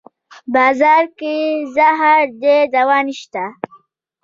بازار کې زهر دی دوانشته